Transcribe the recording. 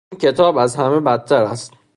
این کتاب از همه بدتر است.